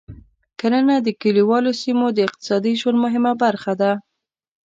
کرنه د کليوالو سیمو د اقتصادي ژوند مهمه برخه ده.